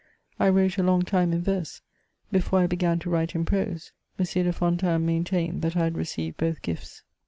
* I wrote a long time in verse, before I began to write in prose : M. de Fontanes main tained that I had received both gifts.